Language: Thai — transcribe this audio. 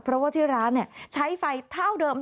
เพราะว่าที่ร้านใช้ไฟเท่าเดิม